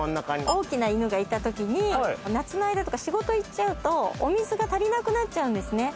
大きな犬がいたときに、夏の間とか仕事行っちゃうと、お水が足りなくなっちゃうんですね。